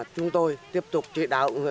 chúng tôi tiếp tục trị đáo